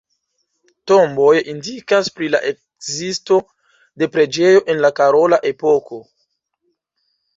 Tomboj indikas pri la ekzisto de preĝejo en la karola epoko.